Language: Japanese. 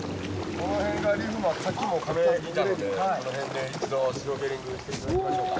この辺がリーフになってさっきもカメいたのでこの辺で一度シュノーケリングしていただきましょうか。